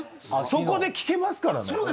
そこで聞けますからね。